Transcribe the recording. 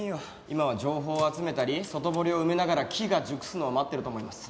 今は情報を集めたり外堀を埋めながら機が熟すのを待ってると思います。